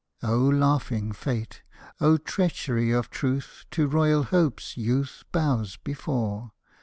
O laughing Fate! O treachery of truth To royal hopes youth bows before!